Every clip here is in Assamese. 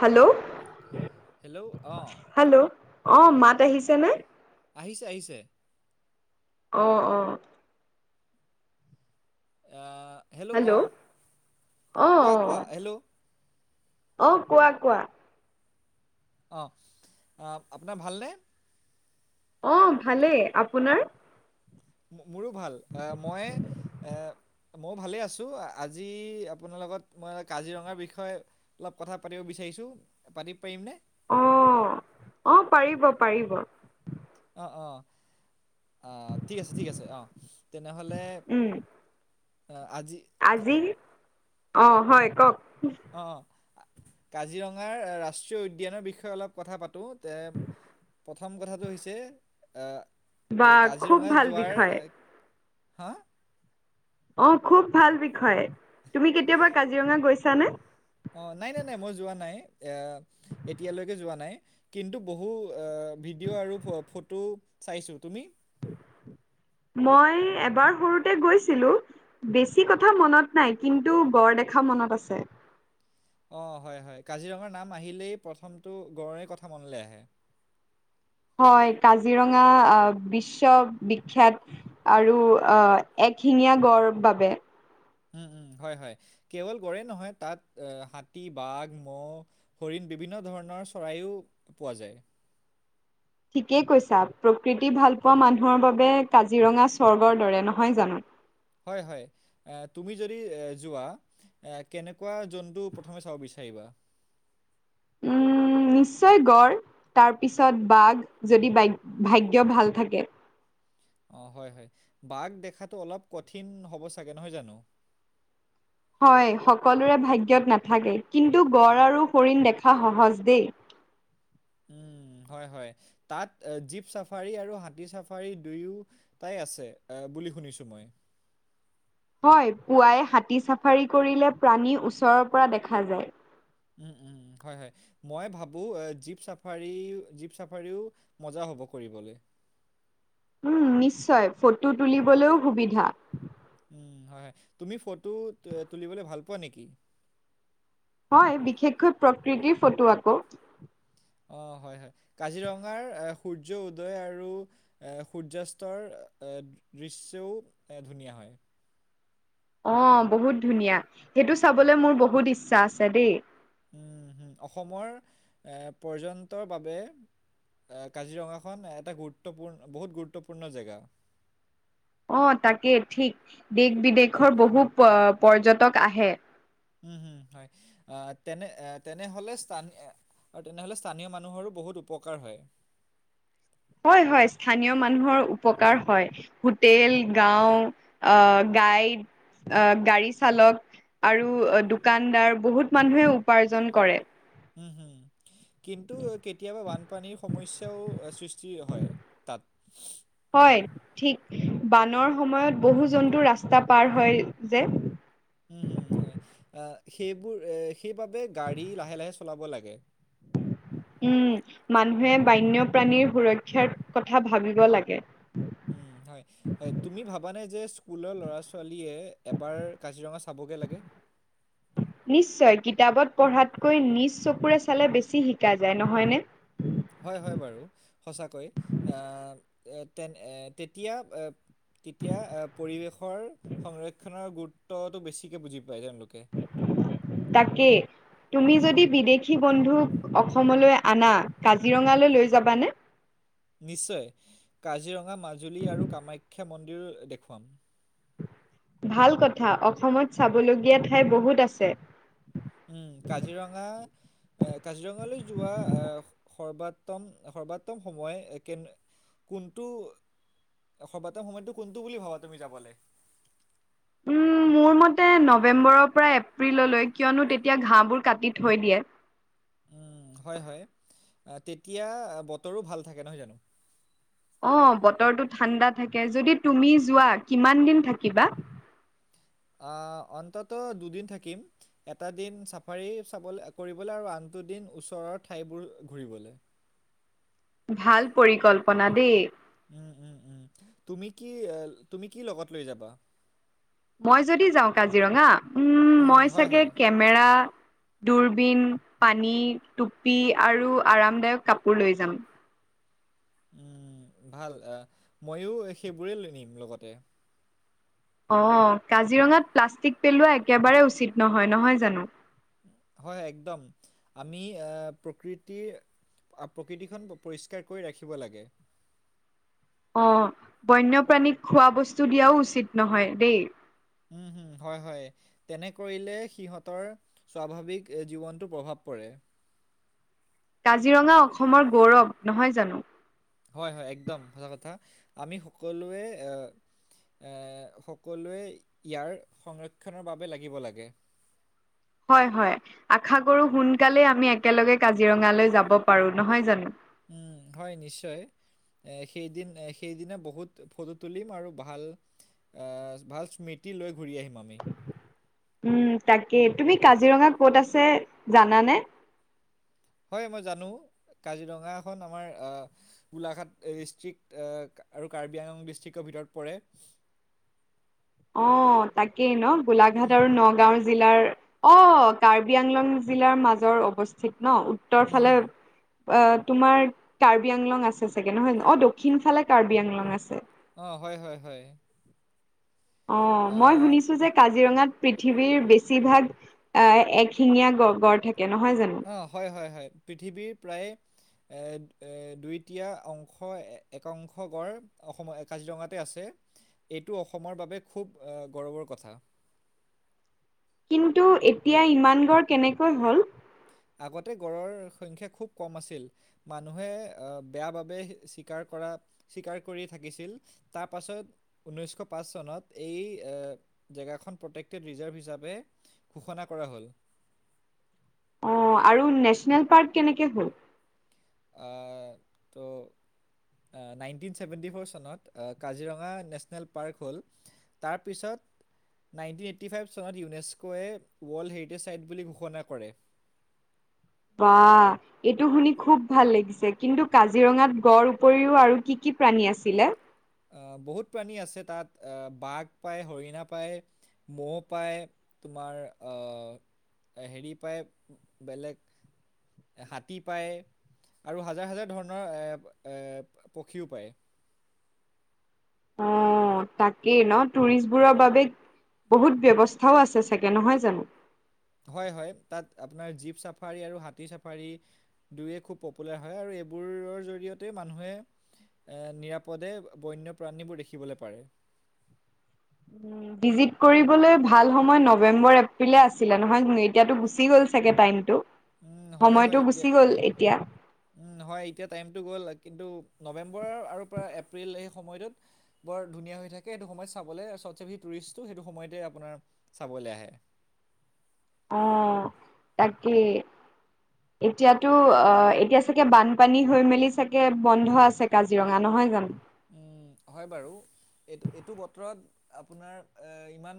হেল্ল', হেল্ল' অঁ হেল্ল', অহ মাত তেখিছেনে? আহিছে- আহিছে। অহ', অহ', এ হেল্ল' অ অ কোৱা অ কোৱা হেল্ল' অ কোৱা কোৱা। অ আপোনাৰ ভালনে। অ ভালেই আপোনাৰ। মোৰো ভাল আহ মই এ মইও ভালে আছো আজি আপোনাৰ লগত মই কাজিৰঙাৰ বিষয়ে অলপ কথা পাতিব বিচাৰিছো ৰিছো পাতি পাৰিম নে? অ', অ', পাৰিব- পাৰিব। অহ, ঠিক আছে- ঠিক আছে অহ তেনেহ'লে উম আজি আজি অ', হয় ক' ক অ', [unintelligible] কাজিৰঙাৰ ৰাষ্ট্ৰীয় উদ্যানৰ বিষয়ে অলপ কথা পাতো তে প্ৰথম কথাটো হৈছে এ বা খুব ভাল বিষয়। হা? অহ, খুব ভাল বিষয় তুমি কেতিয়াবা কাজিৰঙা গৈছানে? অঁ নাই নাই নাই মই যোৱা নাই এ এতিয়ালৈকে যোৱা নাই কিন্তু বহু আহ ভিডিঅ' আৰু ফটো চাইছো তুমি? [inaudible] মই এবাৰ সৰুতে গৈছিলো বেছি কথা মনত নাই কিন্তু গড দেখা দেখা মনত আছে। [unintelligible] অ হয় হয় কাজিৰঙাৰ নাম আহিলেই প্ৰথমটো গড়ৰে কথা মনলৈ আহে হয় কাজিৰঙা বিশ্ব বিখ্যাত আৰু এক এশিঙীয়া গড় বাবে উম উম হয় হয় কেৱল গড়ে নহয় তাত হাতী বাঘ মহ হৰিণ বিভিন্ন ধৰণৰ চৰায়ো পোৱা যায়। ঠিকেই কৈছা প্ৰকৃতি ভালপোৱা মানুহৰ বাবে কাজিৰঙা স্বৰ্গৰ দৰে নহয় জানো হয় হয় তুমি যদি এ যোৱা এ কেনেকুৱা জন্তু প্ৰথমে চাব বিচাৰি [unintelligible] উম নিশ্চয় গড় তাৰ পিছত বাঘ যদি ভাগ্য ভাল থাকে। অ হয় হয় বাঘ দেখাতটো অলপ কঠিন হ'ব চাগে নহয় জানো। হয় সকলোৰে ভাগ্যয়ত নাথাকে কিন্তু গড় আৰু হৰিণ দেখা সহজ দেই। [unintelligible] উম হয় হয় তাত জীপ চাফাৰী আৰু হাতী চাফাৰী দুয়োটাই আছে। এ বুলি শুনিছো মই হয় পুৱাই হাতী চাফাৰী কৰিলে প্ৰাণী ওচৰৰ পৰা দেখা যায়। উম উম হয় হয় মই ভাবো জীপ চাফাৰী জীপ চাফাৰীও মজা হ'ব কৰিবলৈ উ নিশ্চয় ফটো তুলিবলৈও সুবিধা উ হয় হয় তুমি ফটো তুলিবলৈ ভাল পোৱা নেকি। হয় বিশেষকৈ প্ৰকৃতিৰ ফটো আকৌ অ হয় হয় কাজিৰঙাৰ সূৰ্য উদয় আৰু এ সূৰ্যাস্তৰ দৃশ্যও ধুনীয়া হয় অ বহুত ধুনীয়া সেইটো চাবলৈ মোৰ বহুত ইচ্ছা আছে দেই উম হম অসমৰ এ পৰ্যন্তৰ বাবে এ কাজিৰঙাখন এটা গুৰুত্বপূৰ্ণ বহুত গুৰুত্বপূৰ্ণ জেগা। অ তাকেই ঠিক দেশ বিদেশৰ বহু পৰ্যটক আহে। উম হম হয় আহ তেনে তেনেহলে স্থান আৰু তেনেহলে স্থানীয় মানুহৰো বহুত উপকাৰ হয়। হয় হয় স্থানীয় মানুহৰ উপকাৰ হয়। হোটেল, গাওঁ, আ গাইড, গাড়ী চালক আৰু দোকানদাৰ বহুত মানুহে উপাৰ্জন কৰে। উম হম। কিন্তু কেতিয়াবা বানপানীৰ সমস্যাও সৃষ্টি হয় তাত। হয়। ঠিক বানৰ সময়ত বহু জন্তু ৰাস্তা পাৰ হয় যে। উমম হয় সেইবোৰ সেইবাবে গাড়ী লাহে লাহে চলাব লাগে। [inaudible] উম মানুহে বান্যপ্ৰাণীৰ সুৰক্ষাৰ কথা ভাবিব লাগে। উ হয় হয় তুমি ভাবা নে যে স্কুলৰ ল'ৰা ছোৱালী দ এবাৰ কাজিৰঙা চাবগে লাগে? নিশ্চয় কিতাপত পঢ়াতকৈ নিজ চকুৰে চালে বেছি শিকা যায় নহয়নে? হয় হয় বাৰু। সঁচাকৈ তে তেতিয়া তেতিয়া আহ পৰিৱেশৰ সংৰক্ষনৰৰ গুৰুত্বতটো বেছিকে বুজি পায় তেওঁলোক। তাকে। তুমি যদি বিদেশী বন্ধুক অসমলৈ আনা, কাজিৰঙালৈ লৈ যাবানে? নিশ্চয় কাজিৰঙা, মাজুলী আৰু কামাখ্যা মন্দিৰো দেখুৱাম। ভাল কথা অসমত চাবলগীয়া ঠাই বহুত আছে। উম কাজিৰঙা এ কাজিৰঙালৈ যোৱা আহ সৰ্বাত্তম সৰ্বাত্তম সময় কে কোনটো সৰ্বাতম সময়তটো কোনটো বুলি ভাবা তুমি যাবলে? উম মোৰ মতে নৱেম্বৰৰ পৰা এপ্ৰিললৈ কিয়নো তেতিয়া ঘাঁ বোৰ কাটি থৈ দিয়ে। উম, হয় হয় তেতিয়া বতৰো ভাল থাকে নহয় জানো? অ বতৰটো ঠাণ্ডা থাকে যদি তুমি যোৱা কিমান দিন থাকিবা? অ অন্তত দুদিন থাকিম এটা দিন চাফাৰী চাব কৰিবলে আৰু আন তো দিন ওচৰৰ ঠাইবোৰ ঘূৰিবলে। ভাল পৰিকল্পনা দেই। উম উম উম তুমি কি তুমি কি লগত লৈ যাবা? মই যদি যাওঁ কাজিৰঙা? উম মই হয় চাগে হয় কেমেৰা, দূৰবিন, পানী, টুপি আৰু আৰামদায়ক কাপোৰ লৈ যাম। উম ভাল আহ ময়ো সেইবোৰে লৈ নিম লগতে। অ কাজিৰঙাত প্লাষ্টিক পেলোৱা একেবাৰে উচিত নহয়। নহয় জানো? হয় হয় একদম আমি আহ প্ৰকৃতিৰ প্ৰকৃতিখন পৰিষ্কাৰ কৰি ৰাখিব লাগে। আহ বন্যপ্ৰাণীক খোৱা বস্তু দিয়াও উচিত নহয় দেই। উম হম হয় হয় তেনে কৰিলে সিহঁতৰ স্বাভাৱিক জীৱনতো প্ৰভাৱ পৰে। [unintelligible] কাজিৰঙা অসমৰ গৌৰৱ নহয় জানো? হয় হয় একদম সচা কথা আমি সকলোৱে এ সকলোৱে ইয়াৰ সংৰক্ষণৰ বাবে লাগিব লাগে। হয় হয় আশা কৰো সোনকালে আমি একেলগে কাজিৰঙালৈ যাব পাৰো। নহয় জানো? উম হয় নিশ্চয়। এ সেইদিন সেইদিনা বহুত ফটো তুলিম আৰু ভাল এ ভাল স্মৃতি লৈ ঘূৰি আহিম আমি। উম তাকেই তুমি কাজিৰঙা ক'ত আছে জানানে? হয় মই জানো। কাজিৰঙা এখন আমাৰ আহ গোলাঘাট ডিষ্ট্ৰিক্ট, আৰু কাৰ্বি আংলং ডিষ্ট্ৰিক্টৰ ত পৰে। অ' তাকেই ন গোলাঘাট উম, আৰু নগাঁও জিলাৰ অ' কাৰ্বি আংলং জিলাৰ মাজৰ অৱস্থিত। ন' উত্তৰ উম, ফালে হুম। অ' তোমাৰ কাৰ্বি আংলং আছে চাগে নহয়, অ দক্ষিণ ফালে কাৰ্বি আংলং আছে। অ হয় হয় হয়। অ' মই আহ শুনিছো যে কাজিৰঙাত পৃথিৱীৰ বেছিভাগ এক শিঙীয়া গ গড় থাকে। নহয় জানো অ হয় হয় হয়। পৃথিৱীৰ প্ৰায় এ এ দুইটীয়া অংশ একা অংশ গড় অসমৰ কাজিৰঙাতে আছে, এইটো অসমৰ বাবে খুব গৌৰৱৰ কথা। [inaudible] টো' এতিয়া ইমান গড় কেনেকৈ হ'ল? আগতে গড়ৰ সংখ্য খুব কম আছিল, মানুহে বেয়া বাবে চীকাৰ কৰা স্বীকাৰ কৰি থাকিছিল, তাৰপাছত ঊনৈছশ পাঁচ চনত এই আ জেগাখন প্ৰটেক্টেড ৰিজাৰ্ভ হিচাপে ঘোষণা কৰা হ'ল। অ আৰু নেশচনেল পাৰ্ক কেনেকে হ'ল? আ তো নাইনটিন ছেভেণ্টি ফ'ৰ চনত কাজিৰঙা নেশ্যনেল পাৰ্ক হ'ল, তাৰপিছত নাইনটিন এইটি ফাইভ চনত ইউনেস্কৱে ৱৰ্ল্ড হেৰিটেজ চাইট বুলি ঘোষণা কৰে। [inaudible] বা এইটো শুনি খুব ভাল লাগিছে, কিন্তু কাজিৰঙাত গড় উপৰিও আৰু কি কি প্ৰাণী আছিলে? আহ' বহুত প্ৰাণী আছে তাত, আহ বাঘ পায়, হৰিণা পায়। মহ পাই তোমাৰ আহ হেৰি পায়, বেলেগ হাতী পায়। আৰু হাজাৰ হাজাৰ ধৰণৰ পক্ষীও পায়। [inaudible] অ' তাকেই ন টুৰিষ্টবোৰৰ বাবে বহুত ব্যৱস্থাও আছে চাগে নহয় জানো? হয় হয় তাত আপোনাৰ জীপ চাফাৰী, আৰু হাতী চাফাৰী দুয়ো খুব পপুলাৰ হয়। এইবোৰৰ জৰিয়তে মানুহে নিৰাপদে বন্যপ্ৰাণীবোৰ দেখিবলৈ পাৰে। উম' ভিজিত কৰিবলৈ ভাল সময় নৱেম্বৰ, এপ্ৰিলে য়ে আছিলে নহয়, এতিয়াতো গুচি গ'ল চাগে টাইমতটো। হয় হয় এতিয়া, হয় এতিয়া টাইমটো গ'ল কিন্তু নৱেম্বৰ আৰু পৰা এপ্ৰিল এই সময়টোত বৰ ধুনীয়া হৈ থাকে সেইটো সময়ত চাবলে চবচে টুৰিষ্ট হৈটো সময়তে আপোনাৰ চাবলৈ আহে। অহ' তাকে - এতিয়াতো, অ' এতিয়া চাগে বানপানী হৈ মেলি চাগে বন্ধ আছে কাজিৰঙা নহয় জানো? উম' হয় বাৰু এইটো এইটো বতৰত আপোনাৰ এ ইমান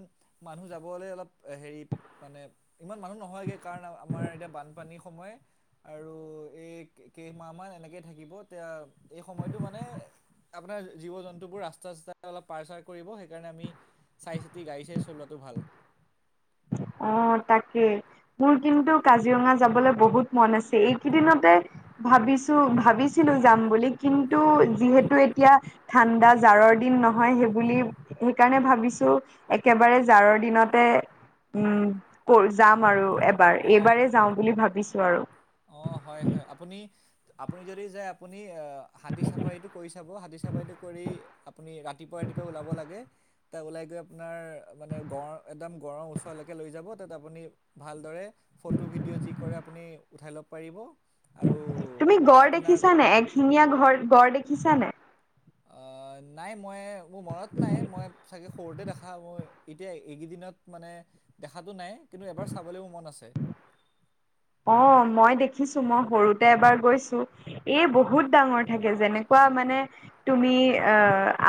মানুহ যাবলে অলপ হেৰি, মানে ইমান মানুহ নহয়গে সেই কাৰণ আমাৰ এতিয়া বানপানীৰ সময় আৰু এই কেইমাহ মাহ এনেকেই থাকিব তেতিয়া এই সময়তটো মানে আপোনাৰ জীৱ-জন্তুবোৰ ৰাস্তা চাস্তাই অলপ পাৰ চাৰ কৰিব, সেইকাৰণে আমি চাই চিতি গাড়ী চাই চলোৱাটো ভাল। অ তাকেই। মোৰ কিন্তু কাজিৰঙা যাবলৈ বহুত মন আছে এইকেইদিনতে ভাবিছো ভাবিছিলো যাম বুলি কিন্তু যিহেতু এতিয়া ঠাণ্ডা জাৰৰ দিন নহয় সেইবুলি সেইকাৰণে ভাবিছো একেবাৰে জাৰৰ দিনতে উম কৰ যাম আৰু এবাৰ অ', এইবাৰেই যাওঁ বুলি ভাবিছো আৰু অ হয় হয় আপুনি আপুনি যদি যায় আপুনি এ হাতী চাফাৰীটো কৰি চাব, হাতী চাফাৰীটো কৰি আপুনি ৰাতিপুৱা ৰাতিপুৱা ওলাব লাগে, তাত ওলাই গৈ আপোনাৰ মানে গঁড় একদম গড় ওচৰত ভালকে লৈ যাব তাত আপুনি ভালদৰে ফটো ভিডিঅ' যি কৰে আপুনি উঠাই ল'ব পাৰিব আৰু তুমি গড় আপোনাৰ দেখিছা নাই, এক শিঙীয়া গৰ গড় দেখিচা নাই? নাই মই মোৰ মনত নাই মই চাগে, সৰুতে দেখা মই এতিয়া এইকেইদিনত মানে দেখাতটো নাই কিন্তু এবাৰ চাবলৈ মোৰ মন আছে [unintelligible] অ মই দেখিছো মই সৰুতে এবাৰ গৈছো এই বহুত ডাঙৰ থাকে যেনেকুৱা মানে তুমি অ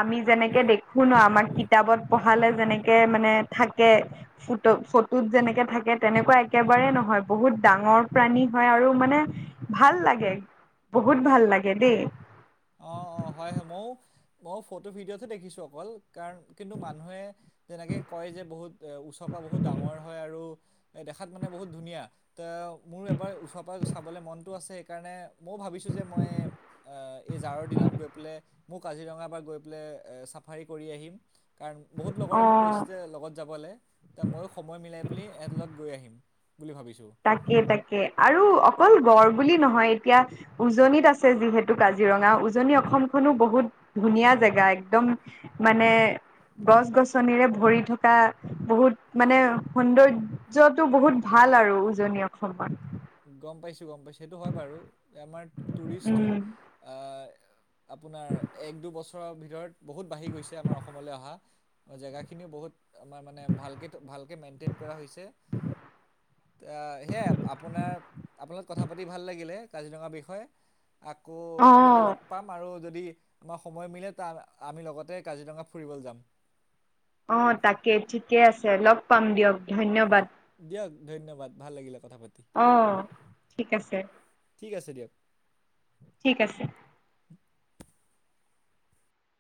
আমি যেনেকে দেখো ন আমাৰ কিতাপত পঢ়ালে যেনেকে মানে থাকে ফটো ফটোত যেনেকে থাকে তেনেকুৱা একেবাৰেেই নহয় বহুত ডাঙৰ প্ৰাণী হয় আৰু মানে ভাল লাগে বহুত ভাল লাগে দেই মই ফটো ভিডিঅ'তো দেখিছো অকল কাৰণ কিন্তু মানুহে যেনেকে কয় যে বহুত ওচৰ প বহুত ডাঙৰ হয় আৰু এ দেখাত মানে বহুত ধুনীয়া ত মোৰ এবাৰ ওচৰ পৰা চাবলৈ মনতটো আছে সেইকাৰণে ময়ো ভাবিছোঁ যে মই এই জাৰৰ দিনত গৈ পেলাই মোৰ কাজিৰঙা পৰা গৈ পেলাই এ চাফাৰী কৰি আহিম কাৰণ বহুত লগৰে মোক অ' কৈছে লগত যাবলে। ত ময়ো সময় মিলাই পেলি এহঁতৰ লগত গৈ আহিম বুলি ভাবিছো তাকে তাকে আৰু অকল গড় বুলি নহয় এতিয়া উজনিত আছে যিহেতু কাজিৰঙা উজনি অসমখনো বহুত ধুনীয়া জেগা একদম মানে গছ গছনিৰে ভৰি থকা বহুত মানে সৌন্দৰ্য্যটো বহুত ভাল ভাল আৰু উজনি অসমৰ গম পাইছো গম পাইছো, সেইটো হয় বাৰু আমাৰ টুৰিষ্টটো উম আহ আপোনাৰ এক দুবছৰৰ ভিতৰত বহুত বাঢ়ি গৈছে আমাৰ অসমলৈ অহা জেগা খিনিও বহুত আমাৰ মানে ভালেকে ভালকে মেইন্তেন কৰা হৈছে। হেই আ আপোনাৰ আপোনাৰ লগত কথা পাতি ভাল লাগিলে কাজিৰঙাৰ বিষয়ে আকৌ এনেকে অ' লগ পাম আৰু যদি, আমাৰ সময় মিলে ত আমি লগতে কাজিৰঙা ফুৰিবলৈ যাম অ তাকে ঠিকে আছে লগ পাম দিয়ক ধন্যবাদ দিয়ক ধন্যবাদ ভাল লাগিলে কথা পাতি অ' ঠিক আছে ঠিক আছে দিয়ক ঠিক আছে